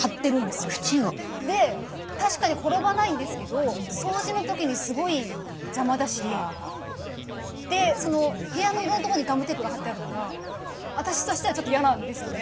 で確かに転ばないんですけど掃除の時にすごい邪魔だし部屋のいろんなとこにガムテープが貼ってあるから私としてはちょっと嫌なんですよね。